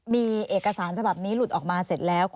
มีเอกสารฉบับนี้หลุดออกมาเสร็จแล้ว